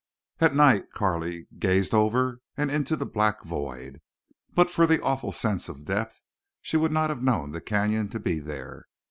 At night Carley gazed over and into the black void. But for the awful sense of depth she would not have known the Canyon to be there.